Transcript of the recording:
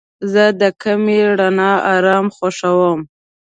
زه د کمې رڼا آرام خوښوم.